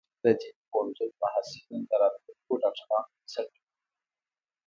د طبی پوهنتون محصلین د راتلونکي ډاکټرانو بنسټ جوړوي.